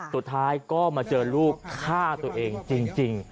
สุดท้ายก็มาเจอลูกฆ่าตัวเองจริง